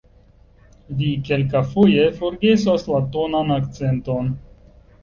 Vi kelkafoje forgesas la tonan akcenton.